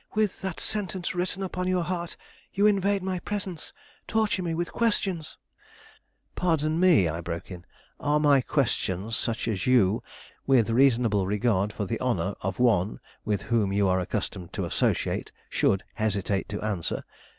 With that sentence written upon your heart, you invade my presence, torture me with questions " "Pardon me," I broke in; "are my questions such as you, with reasonable regard for the honor of one with whom you are accustomed to associate, should hesitate to answer?